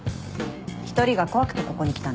１人が怖くてここに来たんでしょ？